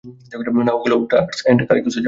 না, ওগুলো তো টার্কস এন্ড কাইকোসে যাওয়ার কথা।